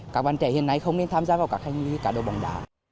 các bạn trẻ hiện nay không nên tham gia vào các hành vi cá độ bóng đá